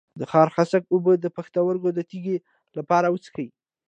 د خارخاسک اوبه د پښتورګو د تیږې لپاره وڅښئ